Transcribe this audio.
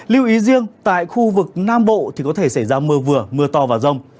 lưu ý riêng tại khu vực nam bộ thì có thể xảy ra mưa vừa mưa to và rông